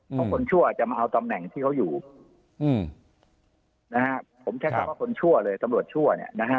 เพราะคนชั่วจะมาเอาตำแหน่งที่เขาอยู่นะฮะผมใช้คำว่าคนชั่วเลยตำรวจชั่วเนี่ยนะฮะ